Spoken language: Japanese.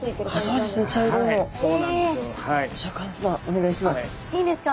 お願いします。